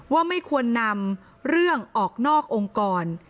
ว่าไม่ควรนำเรื่องออกนอกองค์กร